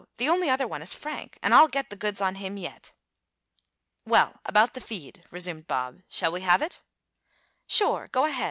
The only other one is Frank, and I'll get the goods on him yet!" "Well, about the feed," resumed Bob, "shall we have it?" "Sure! Go ahead!"